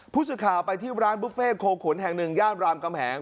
ผู้สื่อข่าวไปที่ร้านบุฟเฟ่โคขุนแห่งหนึ่งย่านรามกำแหง